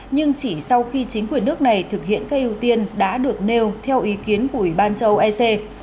nhưng chỉ sau khi chính quyền nước này thực hiện các ưu tiên đã được nêu theo ý kiến của ủy ban châu âu ec